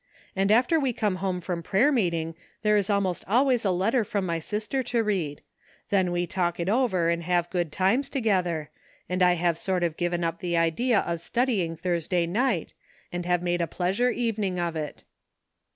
And after we come home from prayer meeting there is almost always a letter from my sister 10 read ; then we talk it over and have good ''LUCK,'' 337 times together, and I have sort of given up the idea of studying Thursday night, and have made a pleasure evening of it."